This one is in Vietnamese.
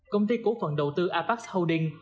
công ty cổ phần đầu tư apex holdings